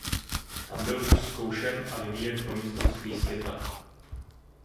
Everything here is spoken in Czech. Tam byl vůz zkoušen a vyvíjen pro mistrovství světa.